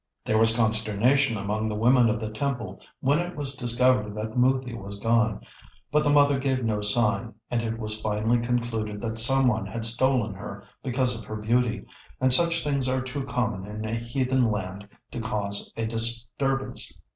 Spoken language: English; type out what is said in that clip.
There was consternation among the women of the temple when it was discovered that Moothi was gone, but the mother gave no sign, and it was finally concluded that some one had stolen her because of her beauty, and such things are too common in a heathen land to cause a disturbance.